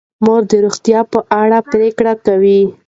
مور د روغتیا په اړه پریکړې کوي.